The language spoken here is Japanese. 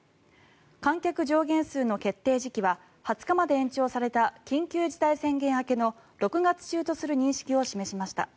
観客上限数の決定時期は２０日まで延長された緊急事態宣言明けの６月中とする認識を示しました。